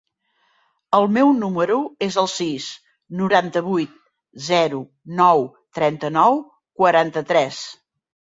El meu número es el sis, noranta-vuit, zero, nou, trenta-nou, quaranta-tres.